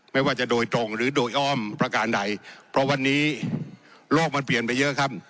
ไม่ว่าจะโดยตรงหรือโดยอ้อมประการใดเพราะวันนี้โลกมันเปลี่ยนไปเยอะครับ